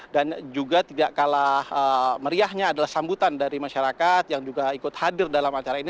dan juga tidak kalah meriahnya adalah sambutan dari masyarakat yang juga ikut hadir dalam acara ini